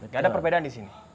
gak ada perbedaan disini